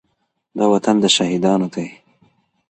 دا وطن د شهيدانو دی.